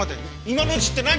今のうちって何？